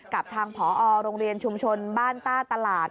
กับทางผอโรงเรียนชุมชนบ้านต้าตลาด